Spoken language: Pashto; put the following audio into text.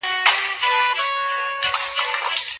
طلاق سوي کسان په کومو ناروغيو مبتلا کيدلای سي؟